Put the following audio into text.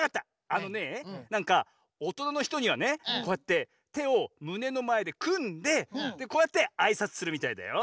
あのねぇなんかおとなのひとにはねこうやっててをむねのまえでくんでこうやってあいさつするみたいだよ。